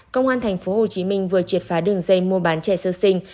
công an tp hcm vừa triệt phá đường dây mua bán trẻ sơ sinh